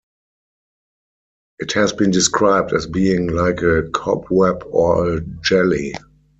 It has been described as being like a cobweb or a jelly.